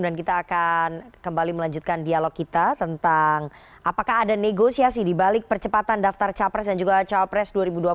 kita akan kembali melanjutkan dialog kita tentang apakah ada negosiasi dibalik percepatan daftar capres dan juga cawapres dua ribu dua puluh